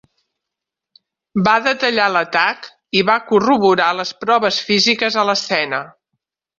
Va detallar l'atac i va corroborar les proves físiques a l'escena.